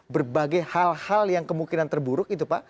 berbagai hal hal yang kemungkinan terburuk